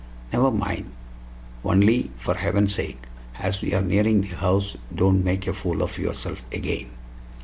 "Never mind. Only, for heaven's sake, as we are nearing the house, don't make a fool of yourself again."